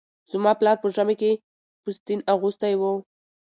زما پلاره به ژمي کې پوستين اغوستی و